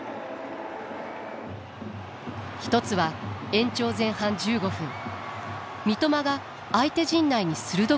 一つは延長前半１５分三笘が相手陣内に鋭く切り込んだプレー。